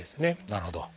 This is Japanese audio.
なるほど。